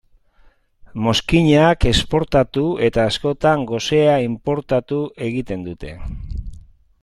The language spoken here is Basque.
Mozkinak esportatu eta askotan gosea inportatu egiten dute.